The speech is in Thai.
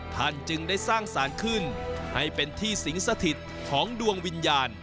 ท่านจึงได้สร้างสารขึ้นให้เป็นที่สิงสถิตของดวงวิญญาณ